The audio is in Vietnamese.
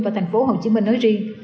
và thành phố hồ chí minh nói ri